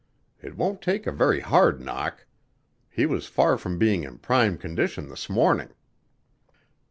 It won't take a very hard knock. He was far from being in prime condition this morning."